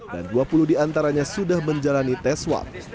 dan dua puluh diantaranya sudah menjalani tes swab